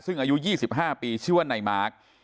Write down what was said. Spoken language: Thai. ซึ่งอายุ๒๕ปีชื่อว่านายมาร์ค